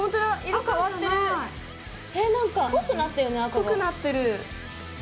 濃くなってる。